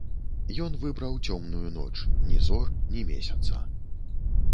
Ён выбраў цёмную ноч, ні зор, ні месяца.